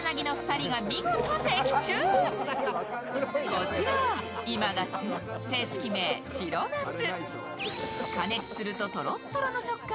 こちらは今が旬、正式名、白なす。